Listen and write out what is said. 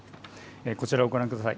こちらをご覧ください。